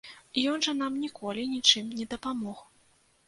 Ён жа нам ніколі нічым не дапамог.